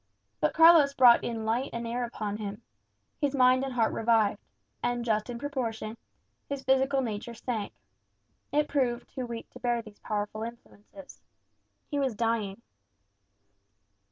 But Carlos brought in light and air upon him. His mind and heart revived; and, just in proportion, his physical nature sank. It proved too weak to bear these powerful influences. He was dying.